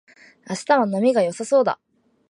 明日は波が良さそうだ